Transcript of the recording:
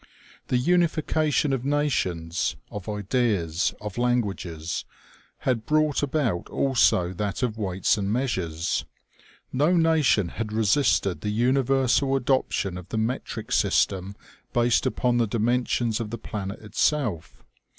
The unification of nations, of ideas, of languages, had O ME G A . MADE PREFERABLY BY AIR SHIPS. brought about also that of weights and measures. No nation had resisted the universal adoption of the metric system, based upon the dimensions of the planet itself.